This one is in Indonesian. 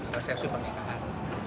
dan resepsi pernikahan